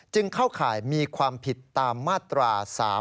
เข้าข่ายมีความผิดตามมาตรา๓๔